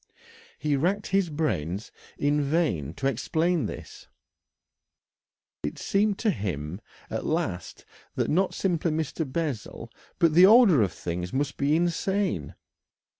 He racked his brains in vain to explain this. It seemed to him at last that not simply Mr. Bessel, but the order of things must be insane.